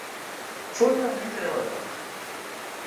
Fue nuevamente dado de baja.